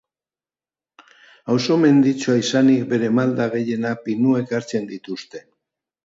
Auzo menditsua izanik, bere malda gehienak pinuek hartzen dituzte.